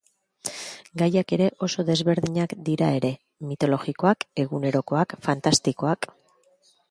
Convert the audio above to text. Gaiak ere oso desberdinak dira ere: mitologikoak, egunerokoak, fantastikoak.